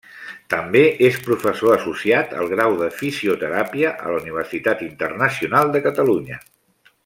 També és professor associat al grau de fisioteràpia a la Universitat Internacional de Catalunya.